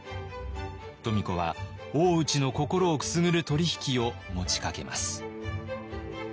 富子は大内の心をくすぐる取り引きを持ちかけます。